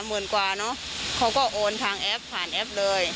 ก็๑๓๐๐๐กว่าเขาก็โอนทางแอปผ่านแอปเลย